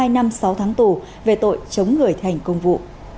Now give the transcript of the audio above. hai năm sáu tháng tù về tội chống người thành công vụ